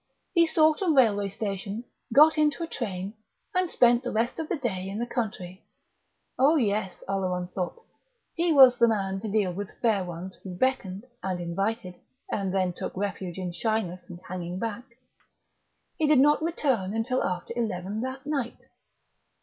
He sought a railway station, got into a train, and spent the rest of the day in the country. Oh, yes: Oleron thought he was the man to deal with Fair Ones who beckoned, and invited, and then took refuge in shyness and hanging back! He did not return until after eleven that night.